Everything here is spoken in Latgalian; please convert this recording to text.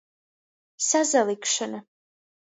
Sasalikšona.